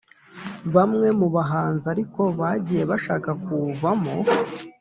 Bamwe mu bahanzi ariko bagiye bashaka kuwuvamo